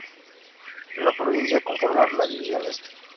La provincia conforma la División Este.